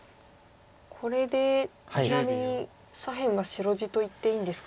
これでちなみに左辺が白地といっていいんですか？